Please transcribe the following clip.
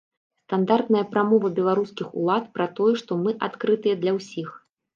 Стандартная прамова беларускіх ўлад пра тое, што мы адкрытыя для ўсіх.